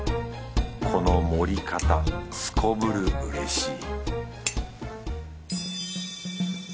この盛り方すこぶるうれしい